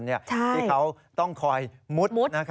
ที่เขาต้องคอยมุด